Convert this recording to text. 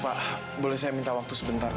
pak boleh saya minta waktu sebentar